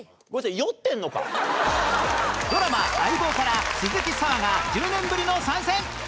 ドラマ『相棒』から鈴木砂羽が１０年ぶりの参戦！